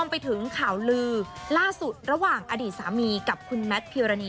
มีวิ่งเล่นกันด้วยใช่มั้ยที่คุณลอดให้ฟัง